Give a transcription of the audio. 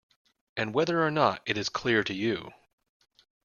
And whether or not it is clear to you